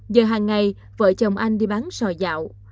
giờ hàng ngày vợ chồng anh đi bán sòi dạo